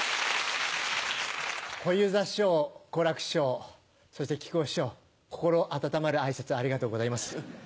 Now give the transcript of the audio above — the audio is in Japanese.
小遊三師匠好楽師匠そして木久扇師匠心温まる挨拶ありがとうございます。